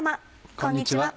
こんにちは。